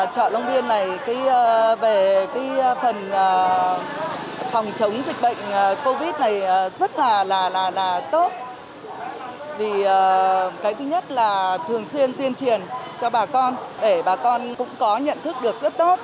cái thứ nhất là thường xuyên tuyên truyền cho bà con để bà con cũng có nhận thức được rất tốt